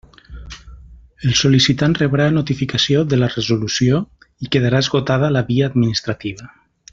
El sol·licitant rebrà notificació de la resolució, i quedarà esgotada la via administrativa.